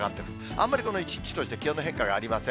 あんまり一日として気温の変化がありません。